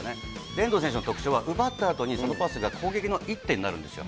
遠藤選手の特徴は、奪ったあとにそのパスが攻撃の一手になるんですよ。